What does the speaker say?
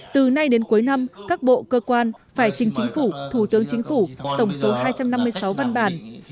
từ nay đến cuối năm các bộ cơ quan phải trình chính phủ thủ tướng chính phủ tổng số hai trăm năm mươi sáu văn bản